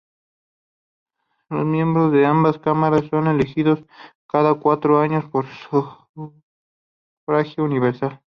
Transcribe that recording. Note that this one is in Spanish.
Los miembros de ambas cámaras son elegidos cada cuatro años por sufragio universal.